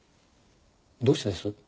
どうしてです？